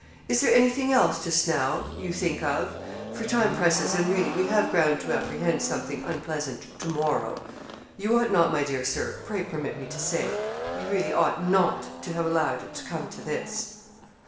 Is there any thing else just now you think of, for time presses, and really we have ground to apprehend something unpleasant to morrow. You ought not, my dear Sir pray permit me to say you really ought not to have allowed it to come to this.'